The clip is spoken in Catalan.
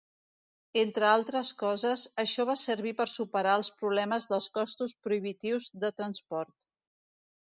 Entre altres coses, això va servir per superar els problemes dels costos prohibitius de transport.